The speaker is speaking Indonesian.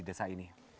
di desa ini